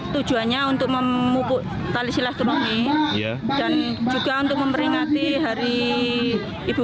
tujuannya untuk memupuk tali silaturahmi dan juga untuk memperingati hari ibu